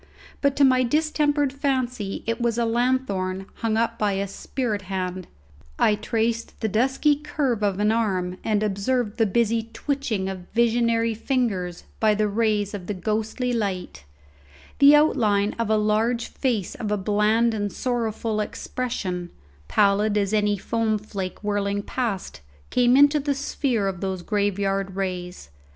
But to my distempered fancy it was a lanthorn hung up by a spirit hand; I traced the dusky curve of an arm and observed the busy twitching of visionary fingers by the rays of the ghostly light; the outline of a large face of a bland and sorrowful expression, pallid as any foam flake whirling past, came into the sphere of those graveyard rays.